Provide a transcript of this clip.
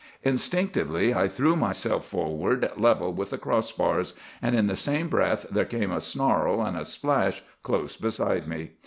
"Instinctively I threw myself forward, level with the cross bars; and in the same breath there came a snarl and a splash close beside me.